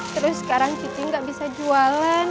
terus sekarang cici gak bisa jualan